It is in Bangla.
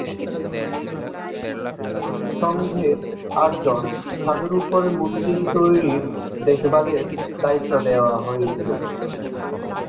সংঘের আট জন সাধুর উপর মন্দির তৈরির দেখ-ভালের দায়িত্ব দেওয়া হয়েছিল।